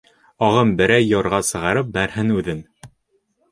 Ағым берәй ярға сығарып бәрһен үҙен.